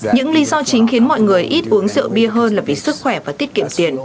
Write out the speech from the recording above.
những lý do chính khiến mọi người ít uống rượu bia hơn là vì sức khỏe và tiết kiệm tiền